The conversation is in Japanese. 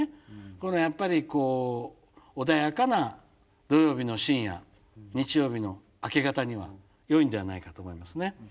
このやっぱりこう穏やかな土曜日の深夜日曜日の明け方にはよいんではないかと思いますね。